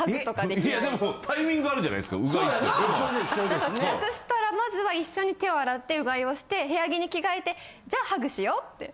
だから帰宅したらまずは一緒に手を洗ってうがいをして部屋着に着替えてじゃあハグしよって。